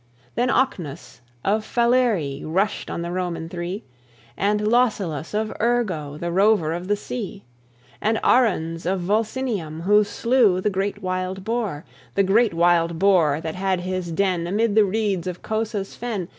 Then Ocnus of Falerii Rushed on the Roman Three; And Lausulus of Urgo, The rover of the sea; And Aruns of Volsinium, Who slew the great wild boar, The great wild boar that had his den Amid the reeds of Cosa's fen.